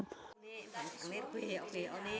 nghệ bản thân